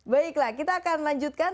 baiklah kita akan lanjutkan